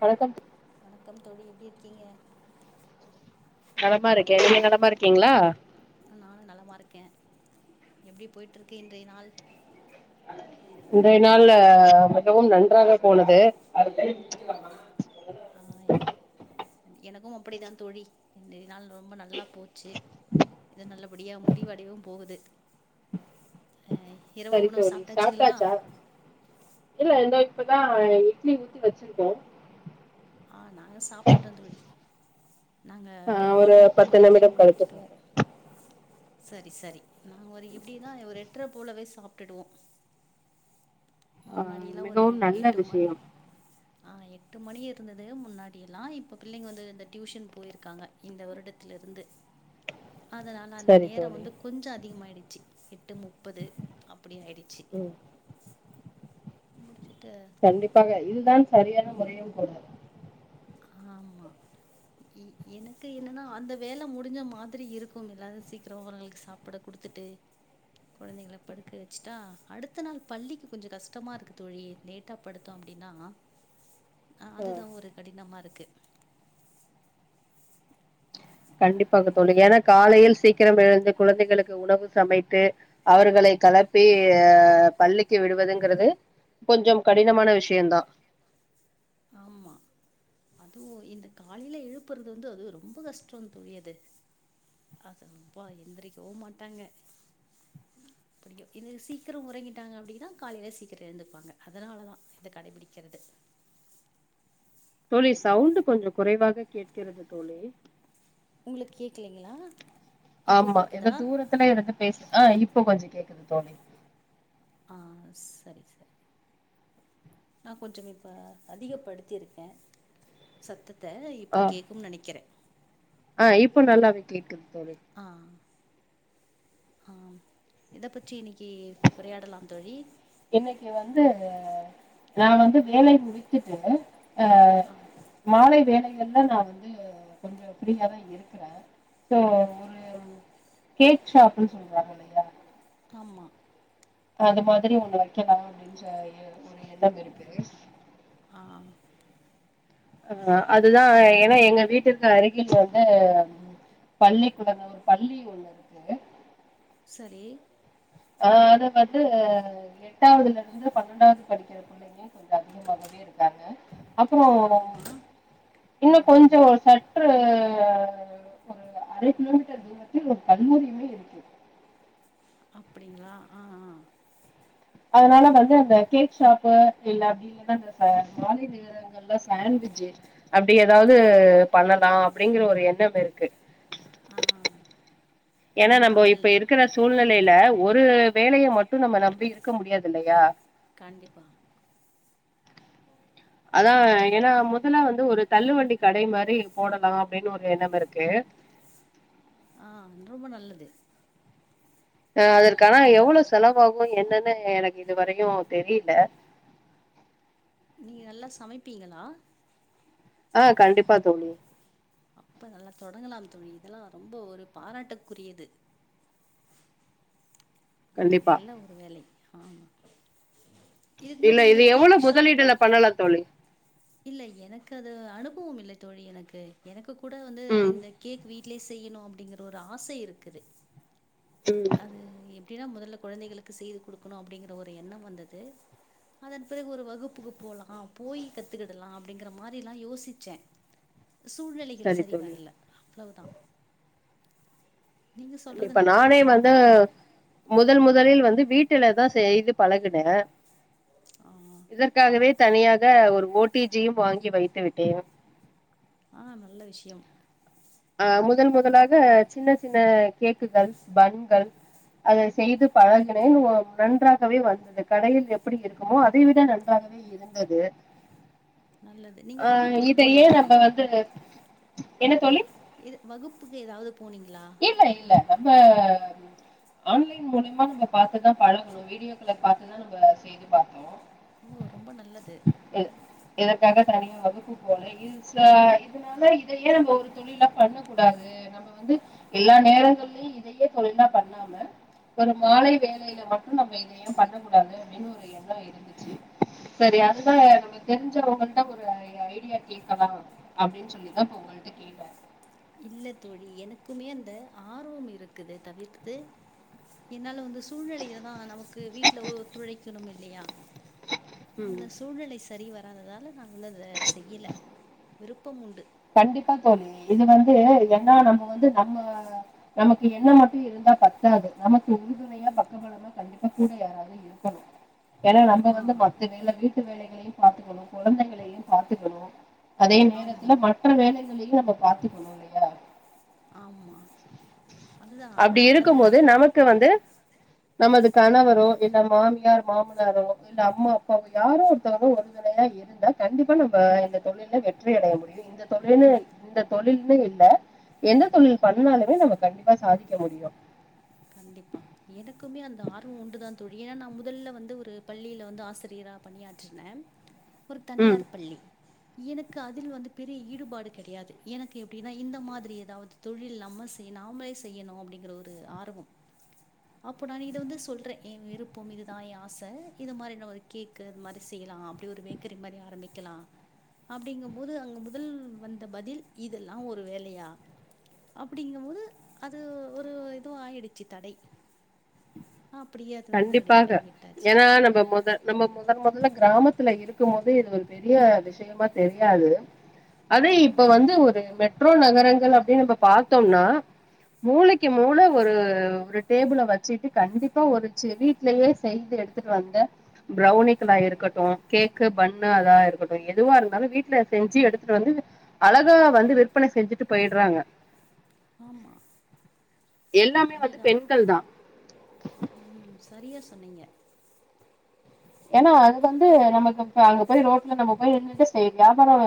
வணக்கம்த் வணக்கம் தோழி எப்டி இருக்கீங்க? நலமாருக்கே நீங்க நலமா இருக்கீங்ளா? அ நானு நலமா இருக்கே. எப்டி போயிட்ருக்கு இன்றைய நாள்? இன்றைய நாள் அ மிகவும் நன்றாக போனது. ஆ எ அந் எனக்கும் அப்பிடிதான் தோழி இன்றைய நாள் ரொம்ப நல்லா போச்சு. இது நல்லபடியா முடிவடையவும் போகுது. அ இரவு சரி உணவு தோழி சாப்ட்டாச்சுகளா? கு இந்த இப்பதா இட்லி ஊத்தி வெச்சிருக்கே ஆ நாங்க சாப்ட்டுட்டோ தோழி நாங்க ஆ ஒரு பெரும்பாலும் எட்டு பத்து மணிக்கே நிமிடம் கழித்து முடிச்சிடோ சாப்டுவோ. சரி சரி நாங்க ஒரு எப்டின்னா ஒரு எட்ர போலவே சாப்ட்டுடுவோ ஆ முன்னாடியெல்லா ஒரு மிகவும் நல்ல எட்டு மணி விஷயம் ஆ எட்டு மணி இரு ந்தது முன்னாடி எல்லா இப்ப பிள்ளைங்க வந்து இந்த ட்யூஷன் போயிருக்காங்க இந்த வருடத்துல இருந்து அதனால அந்த சரி நேர தோழி வந்து கொஞ்சொ அதிகமாயிடுச்சு எட்டு முப்பது அப்டி ஆயிடு ச்சு ம் முடிச்சுட்டு கண்டிப்பாக இதுதான் சரியான முறையும் கூட ஆமா இ எனக்கு என்னன்னா அந்த வேல முடிஞ்ச மாதிரி இருக்குங்க எல்லாரு சீக்கிரொ அவங்களுக்கு சாப் புட குடுத்துட்டு கொழந்தைங்கள படுக்க வெச்சுட்டா அடுத்த நாள் பள்ளிக்கு கொஞ்சொ கஷ்டமா இருக்கு தோழி லேட்டா படுத்தோ அப்டின்னா அ ம் அதுதா ஒரு கடினமா இருக்கு கண்டிப்பாக தோழி ஏன்னா காலையில் சீக்கிரம் எழுந்து குழந்தைகளுக்கு உணவு சமைத்து அவர்களை களப்பி ஆ பள்ளிக்கு விடுவதுங்குறது கொஞ்சம் கடினமான விஷயந்தா ஆமா அதுவு இந்த காலையில எழுப்பறது வந்து அது ரொம்ப கஷ்டோ தோழி அது அது அப்பா எந்திரிக்கவு மாட்டாங்க பிடிக்கு இது சீக்கிரொ உறங்கிட்டாங்க அப்டினா காலையில சீக்கிர எழுந்துப்பாங்க அதனாலதா இத கடைபிடிக்கறது தோழி சவுண்டு கொஞ்சொ குறைவாக கேட்கிறது தோழி உங்களுக் கேக்குலைங்களா ஆமா எதொ தூரத்துல இருந்து பேசு ஆ இப்போ கொஞ்சொ கேக்குது தோழி ஆ சரி சரி நா கொஞ்ச இப்ப அதிகப்படுத்தி இருக்கே சத்தத்த ஆ இப்ப கேக்கும் நெனக்கிறே ஆ இப்போ நல்லாவே கேக்குது தோழி ஆ ஆ எத பற்றி இன்னிக்கி உரையாடலா தோழி இன்னைக்கி வந்து நா வந்து வேலை முடித்திட்டு ஆ மாலை வேலைகள்ல நா வந்து கொஞ்சொ ஃப்ரீயா தா இருக்குறே சோ ஒரு கேக் ஷாப்னு சொல்வாங்கல்லையா ஆமா அது மாதிரி ஒன்னு வெக்கலா அப்டின்ற ஒரு என்னம் இருக்கு ஆ ஆ அதுதா ஏன்னா எங்க வீட்டுக்கு அருகில் வந்து பள்ளிக்குலந்த ஒரு பள்ளி உள்ளது சரி ஆ அது வந்து எட்டாவுதுல இருந்து பன்னெண்டாவது படிக்கிற பிள்ளைங்க கொஞ்ச அதிகமாகவே இருக் காங்க அப்புறோ ஆமா ஆஹா இன்னு கொஞ்சோ ச ஒரு ஒரு அரை கிலோமீட்டர் தூரத்தில் ஒரு கல்லூரியுமே இருக் அப்டிங்களா ஆ ஆ அதனால வந்து அந்த கேக் ஷாப்பு இல்ல அப்டில்லனா அந்த மாலை நேர நல்லா சேண்விஜ் அப்டி ஏதாவ்து பண்ணலா அப்டிங்ற ஒரு எண்ணம் இருக்கு ஆ ஆ ஏனா நன்றி நம்போ இப்ப நல்லது இருக்குற சூழ்நெலைல ஒரு வேலய மட்டு நம்ப நம்பி இருக்க முடியாதில்லையா கண்டிப்பா [inaudible] அதா ஏனா முதலா வந்து ஒரு தள்ளுகவண்டி கடை மாறி போடலா அப்டின்னு ஒரு எண்ணம் இருக்கு ஆ ரொம்ப நல்லது அ அதற்கானா எவ்ளோ செலவாகு என்னன்னு எனக்கு இதுவரையு தெரில நீங்க நல்லா சமைப்பீங்களா ஆ கண்டிப்பா தோழி அப்ப நல்லா தொடங்கலா தோழி இதெல்லா ரொம்ப ஒரு பாராட்டுக்குரியது கண்டிப்பா நல்ல ஒரு வேலை ஆமா இதுக்கு இல்ல முன்னாடி இது நீங்க எவ்ளோ கேக் ஷாப்பு முதலீடுல பண்ணலா தோழி இல்ல எனக்கு அது அனுபவம் இல்ல தோழி எனக்கு எனக்கு கூட வந்து ம் இந்த கேக் வீட்லே செய்யணு அப்டிங்கிற ஒரு ஆச இருக்குது ம் அது எப்டின்னா மொதல்ல கொழந்தைகளுக்கு செய்துக்குடுக்கணு அப்டிங்கற ஒரு எண்ணம் வந்தது அதன் பிறகு ஒரு வகுப்புக்கு போலா போய் கத்துக்கிடலா அப்டிங்கிற மாரிலா யோசிச்ச சூழ்நிலைகள் சரி வரல அவ்ளோ தா நீங்க சொல்றது கண்டிப்பா நல்ல நானே விஷ் வந்து முதல் முதலில் வந்து வீட்டுல தா செய்து பழகுன ஆ இதற் க்காகவே தனியாக ஒரு ஓ டி ஜியு வாங்கி வைத்து விட்டேன் ஆ நல்ல விஷ்யம் அ முதல் முதலாக சின்ன சின்ன கேக்குகள் பன்கள் அத செய்து பழகினேன் நன்றாகவே வந்தது கடையில் எப்படி இருக்குமோ அதை விட நன்றாகவே இருந்தது நல்லது நீங்க ஆ வகுப்புக்கு இதை ஏ போனீங்களா நம்ப வந்து என்ன தோழி இது வகுப்புக்கு எதாவது போனீங்ளா இல்ல இல்ல நம்ம ஆன்லைன் மூலியமா நம்ம பாத்துதா பழகணு வீடியோக்கள பாத்துதா நம்ப செய்து பாக்கணு ஓ ரொம்ப நல்லது ம் இதற்காக தனியா வகுப்பு போலை இ ரீல்ஸ்ல இதனால இத ஏ நம்ம ஒரு தொழிலா பண்ண கூடாது நம்ப வந்து எல்லா நேரங்கள்லியு இதையே தொழிலா பண்ணாம ஒரு மாலை வேலையில மட்டு நம்ம இதையு பண்ணக்கூடாது அப்டின் னு ஒரு எண்ணம் இருந்தது சரி அதுதா நம்ம தெரிஞ்சவங்கள்ட்ட ஒரு ஐ ஐடியா கேக்கலா அப்டின்னு சொல்லிதா இப்ப உங்கள்ட்ட கே இல்ல தோழி எனக்குமே அந்த ஆர்வம் இருக்குதே தவிர்த்து என்னால வந்து சூழ்நெலையிலதா நமக்கு வீட்ல ஒத்துழைக்கணும் இல்லையா ம் அந்த சூழ்நிலை சரி வராததால நாங்களு அத செய்யல விருப்பம் உண்டு கண்டிப்பா தோழி இது வந்து ஏன்னா நம்ப வந்து நம்ம நமக்கு எண்ண மட்டு இருந்தா பத் தாது நமக்கு உறுதுணையா பக்கங்கள தா கண்டிப்பா கூட யாராது இருக்கணும் ஏன்னா ஆ. நம்ம வந்து மத்த வேலை வீட்டு வேலைகளையும் பாத்துக்கணும் கொழந்தைங்களையும் பாத்துக்கணும் அதே நேரத்துல ஆமா, மற்ற வேலைகளையும் நம்ம பாத்துக்கணும் ஆமா அதுதான். அப்டி அ அது இருக்கும்போது நமக்கு வந்து நமது கணவரோ இல்ல மாமியார் மாம்னாரோ இல்ல அம்மா அப்பாவோ யாரோ ஒருத்தவங்க ஒருதுணையா இரு ந்தா கண்டிப்பா நம்ம இந்த தொழில்ல வெற்றி அடைய முடியும் இந்த தொழில் இந்த தொழில்னு இல்ல எந்த தொழில் பண்ணணாலுமே நம்ம கண்டிப்பா சாதிக்க முடியும் கண்டிப்பா எனக்குமே அந்த ஆர்வம் உண்டுதான் தோழி ஏன்னா நா முதல்ல வந்து ஒரு பள்ளியில வந்து ஆசிரியரா பணியாற்றுனேன் ஒரு ம் தனியார் பள்ளி எனக்கு அதில் வந்து பெரிய ஈடுபாடு கெடையாது எனக்கு எப்படின்னா இந்த மாதிரி ஏதாவ்து தொழில் நம்ம செய் நாமே செய்யணும் அப்படிங்கற ஒரு ஆர்வம் அப்போ நான் இது வந்து சொல்றேன் என் விருப்போ இதுதான் ஆச இது மாரி என்ன ஒரு கேக்கு இது மாதிரி செய்யலாம் அப்படி ஒரு பே க்கரி மாரி ஆரம்பிக்கலாம் அப்டிங்கும்போது அங்க முதல் வந்த பதில் இதெல்லாம் ஒரு வேலையா அப்படிங்கும்போது அது ஒரு இதுவும் ஆயிடுச்சு தடை அப்படியே அது வந்து அப்டி கண்டிப்பாக கைவிட்டாச்சு ஏன்னா நம்ம முத நம்ம முதன் முதல்ல கிராமத்துல இருக்கும் போது இது ஒரு பெரிய விஷயமா தெரியாது அதே இப்ப ஆமா வந்து ஒரு மெட்ரோ நகரங்கள் அப்டினு நம்ம பார்த்தோம்னா மூளைக்கு மூளை ஒரு ஒரு டேபுள வச்சுட்டு கண்டிப்பா ஒரு செரிட்லயே சேந்து எடுத்துட்டு வந்து பெளரவுனிக்களா இருக்கட்டும் கேக்கு பண்ணு அதா இருக்கட்டும் எதுவா இருந்தாலும் வீட்டுல செஞ்சு எடுத்துட்டு வந்து அழகா வந்து விற்பன செஞ்சுட்டு போயிட்றாங்க ஆமா எல்லாமே வந்து அதேதா பெண்கள் தா ம் சரியாக சொன்னீங்க ஏன்னா அது இ- வந்து நமக்கு இப்ப அங்க போய் ரோட்ல நம்ம போய் இருந்துட்டு சேரி வியாபாரம்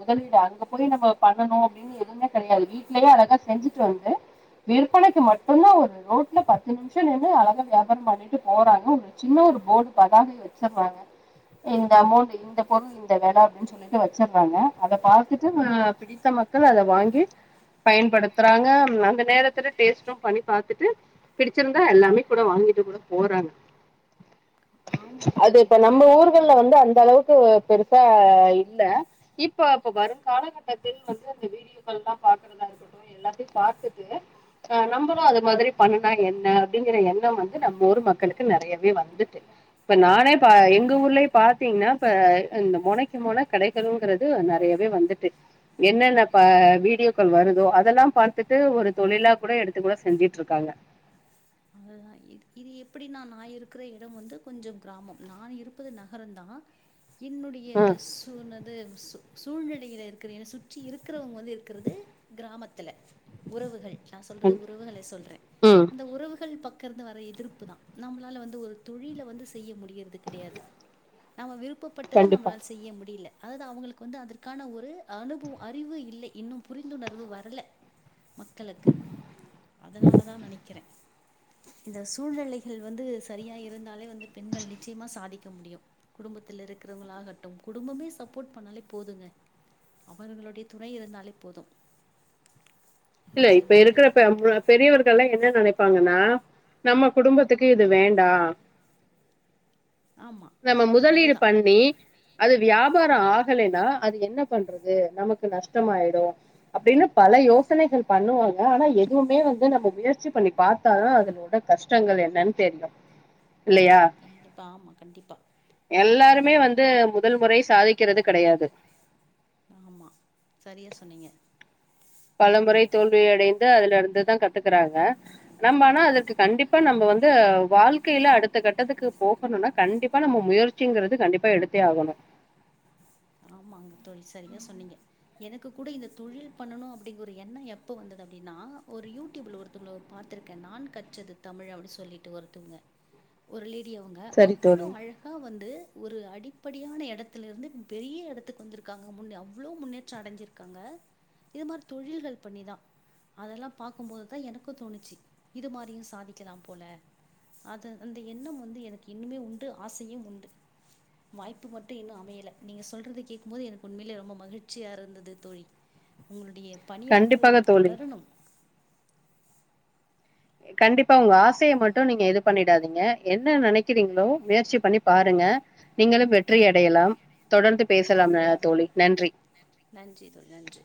முதலீடு அங்க போய் நம்ம பண்ணனும் அப்டினு எதுமே கெடையாது வீட்லயே அழகா செஞ்சுட்டு வந்து விற்பனைக்கு மட்டும்தான் ஒரு ரோட்ல பத்து நிம்ஷோ நின்னு அழகா வியாபாரம் பண்ணிட்டு போறாங்க உங்க ஜின்ன ஒரு போர்டு பதாகை வச்சர்றாங்க இந்த அமௌண்ட் இந்த பொருள் இந்த வெ அப்டின் சொல்லிட்டு வச்சறாங்க அத பாத்துட்டு இத்த மக்கள் அத வாங்கி பயன்படுத்துறாங்க அந்த நேரத்துல டேஸ்ட்டும் பண்ணி பாத்துட்டு பிடிச்சிருந்தா எல்லாமே கூட வாங்கிட்டு கூட போறாங்க ஆமாம் அது தோழி இப்ப நான் நம்ம நெறைய ஊர்கள்ல வந்து அந்த அளவுக்கு பெருசா இல்ல இப்ப இப்ப வரும் காலகட்டத்தில் வந்து அந்த வீ தாம் பாக்குறதா இருக்கட்டும் எல்லாத்தயும் பாத்துட்டு ஆ நம்மளும் அது மாதிரி பண்னுனா என்ன அப்படிங்கற எண்ணம் வந்து நம்ம ஊர் மக்களுக்கு நெறையவே வந்துட்டு இப்ப நானே பா எங்க ஊர்லயே பாத்தீங்கன்னா ப இப்ப இந்த மொனைக்கு மொன்ன கடைக்கறங்க கு நறயவே வந்துட்டு என்னென்ன ப வீடியோக்கள் வருதோ அதெல்லாம் பாத்துட்டு ஒரு தொழிலா கூட எடுத்து கூட செஞ்சுட்டு இருக்காங்க அததான் இ இ இது எப்டினா நா இருக்கற இடம் வந்து கொஞ்சம் கிராமம் நா இருப்பது நகரந்தான் என்னுடைய ம் ஒன்னு அது சூ சூழ்நிலைல இருக்கிற என்ன சுற்றி இருக்கிறவங்க வந்து இருக்கிறது கிராமத்துல உறவுகள் நான் சொல்றது ம் உறவுகள சொல்றே ம் அந்த உறவுகள் பக்கம் வர எதிர்ப்புதா நம்மளால வந்து ஒரு தொழில வந்து செய்ய முடியறது கெடையாது நம்ம விருப்பப்பட்டதை கண்டிப்பா நம்மளால செய்ய முடில அதாவது அவங்களுக்கு வந்து அதற்கான ஒரு அனுபு அறிவு இல்லை இன்னும் புரிந்துணர்வு வரல மக்களுக்கு அதனாலதா நெனைக்கிற இந்த சூழ்நிலைகள் வந்து சரியா இருந்தாலே வந்து பெண்கள் நிச்சயமா சாதிக்க முடியு குடும்பத்துல இருக்கிறவங்களாகட்டும் குடும்பமே சப்போர்ட் பண்ணாலே போதுங்க அவர்களுடைய துணை இருந்தாலே போதும் இல்ல இப்ப இருக்குற பெ வெற்றி பெறலா பெரியவ ங்கல்லா என்ன நெனைப்பாங்கன்னா நம்ம குடும்பத்துக்கு இது வேண்டா ஆமா நம்ம முதலீடு அதுதா பண்ணி அது வியாபாரம் ஆகலைன்னா அது என்ன பண்றது நமக்கு நஷ்டம் ஆய்டும் அப்டின்னு பல யோசனைகள் பண்ணுவோ ங்க ஆனா எதுவுமே வந்து நம்ம முயற்சி பண்ணி பாத்தாதா அதானோட கஷ்டங்கள் என்னன்னு தெரியு இல்லையா கண்டிப்பா ஆமா கண்டிப்பா ஆ எல்லாருமே வந்து முதல் முறை சாதிக்கிறது கெடையாது ஆமா சரியா சொன்னிங்க பலமுறை தோல்வி அடைந்து அதுல இருந்துதா கத்துக்குறாங்க நம்ம ஆனா அதுக்கு கண்டிப்பா நம்ப‌ வந்து வாழ்க்கைல அடுத்த கட்டத்துக்கு போகணுன்னா கண்டிப்பா நம்ம முயற் சிங்றது கண்டிப்பா எடுத்தே ஆகணு ஆமாங்கா தோழி சரியா சொன்னீங்க எனக்கு கூட இந்த தொழில் பண்ணணு அப்டிங்கற எண்ண எப்ப வந்தது அப்டின்னா ஒரு யூடியூப்ல ஒருத்த ஒருத்தங் பாத்துக்கே நா கற்றது தமிழ் அப்டின்னு சொல்லிட்டு ஒருத்தவங்க ஒரு லேடி அவங்க சரி அவ்ளோ தோழி அழகா வந்து ஒரு அடிப்படையான எடத்துலருந்து பெரிய எடத்துக்கு வந்துருக்காங்க முன்ன அவ்ளோ முன்னேற்ற அடஞ்சிருக்காங்க இது மாரி தொழில்கள் பண்ணிதா அதெல்லா பாக்கும்போதுதா எனக்கு தோணுச்சு இது மாறியும் சாதிக்கலாம் போல அது அந்த எண்ணம் வந்து எனக்கு இன்னுமே உண்டு ஆசையும் உண்டு வாய்ப்பு மட்டு இன்னும் அமையல நீங்க சொல்றது கேக்கும் போது எனக்கு உண்மையிலயே ரொம்ப மகிழ்ச்சியா இருந்தது தோழி உங்களுடைய பணி வந்து கண்டிப்பாக தோழி தொடரணும் கண்டிப்பா உங்க ஆசைய மட்டு நீங்க எது பண்ணிடாதீங்க என்ன நெனைக்கிறீங்களோ முயற்சி பண்ணி பாருங்க நீங்களு வெற்றி அடையலாம் தொடர்ந்து பேசலாங்க கண்டிப்பாக தோழி நன்றி நன்றி தோழி நன்றி